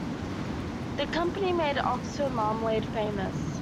The company made "Oxford Marmalade" famous.